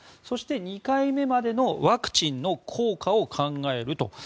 そして、２回目までのワクチンの効果を考えると。